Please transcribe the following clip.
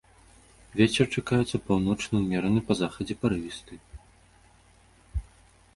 Вецер чакаецца паўночны ўмераны, па захадзе парывісты.